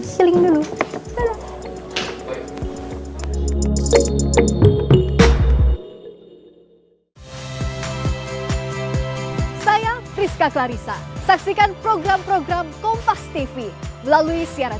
siling dulu saya priska clarissa saksikan program program kompas tv melalui siaran